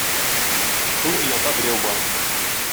Шул ояда берәү бар.